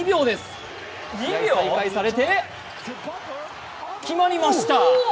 試合再開されて決まりました。